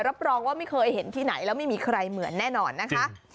รับรองว่าไม่เคยเห็นที่ไหนแล้วไม่มีใครเหมือนแน่นอนนะคะ